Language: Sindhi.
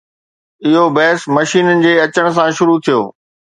اهو بحث مشينن جي اچڻ سان شروع ٿيو.